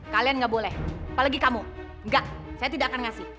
kalian nggak boleh apalagi kamu enggak saya tidak akan ngasih